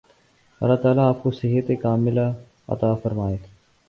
اللہ تعالی آپ کو صحت ِکاملہ عطا فرمائے